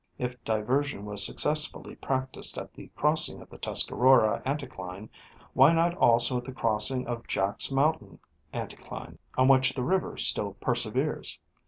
If diversion was successfully practiced at the crossing of the Tuscarora anti cline, why not also at the crossing of Jack's mountain anticline, on which the river still perseveres.